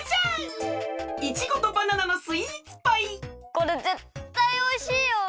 これぜったいおいしいよ！